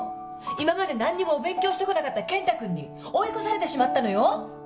今まで何にもお勉強してこなかった健太君に追い越されてしまったのよ。